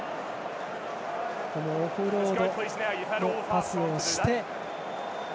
ここもオフロードパスをして。